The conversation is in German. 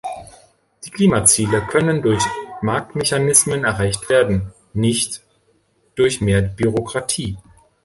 Die Klimaziele können durch Marktmechanismen erreicht werden, nicht durch mehr Bürokratie.